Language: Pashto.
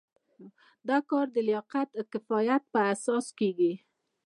دا کار د لیاقت او کفایت په اساس کیږي.